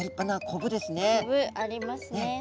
コブありますね。